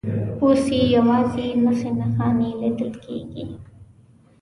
اوس یې یوازې نښې نښانې لیدل کېږي.